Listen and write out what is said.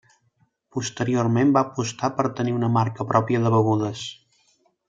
Posteriorment va apostar per tenir una marca pròpia de begudes.